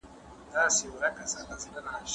شعر انسان ته زړه ورتیا بخښي.